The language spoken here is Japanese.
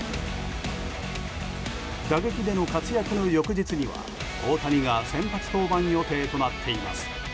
打撃での活躍の翌日には大谷が先発登板予定となっています。